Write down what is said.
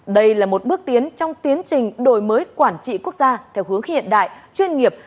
đây là một bước tiến trong tiến trình đổi mới quản trị quốc gia theo hướng hiện đại chuyên nghiệp